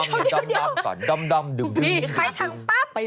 ใครจังป๊อปไปรอ